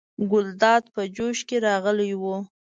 ګلداد په جوش کې راغلی و.